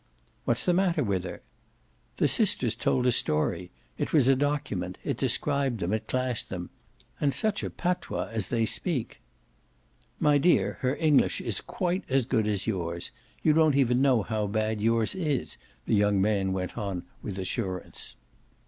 "What's the matter with her hat?" "The sister's told a story. It was a document it described them, it classed them. And such a PATOIS as they speak!" "My dear, her English is quite as good as yours. You don't even know how bad yours is," the young man went on with assurance.